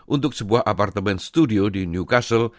untuk sebuah apartemen studio di newcastle